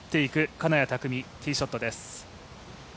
金谷拓実、ティーショットです。